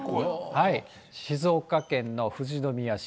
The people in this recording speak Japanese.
静岡県の富士宮市。